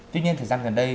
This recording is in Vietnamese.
tuy nhiên thời gian gần đây